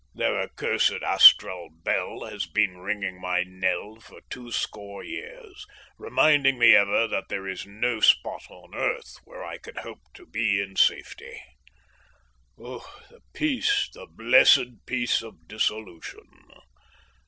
Their accursed astral bell has been ringing my knell for two score years, reminding me ever that there is no spot upon earth where I can hope to be in safety. Oh, the peace, the blessed peace of dissolution!